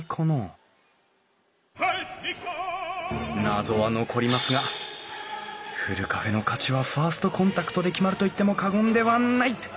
謎は残りますがふるカフェの価値はファーストコンタクトで決まると言っても過言ではない！